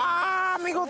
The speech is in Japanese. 見事。